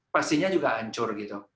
pastinya juga hancur gitu